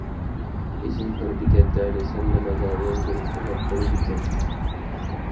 ئېسىل تور بېكەتلەرنى سەللىمازا يەڭگىل ئۇلاپ قويىدىكەن.